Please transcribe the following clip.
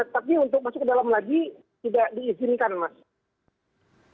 tapi untuk masuk ke dalam lagi tidak diizinkan mas